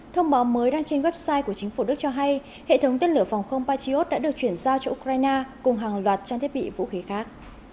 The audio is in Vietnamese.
thông báo mới đăng trên website của chính phủ đức cho hay hệ thống tên lửa phòng không patriot đã được chuyển giao cho ukraine cùng hàng loạt trang thiết bị vũ khí khác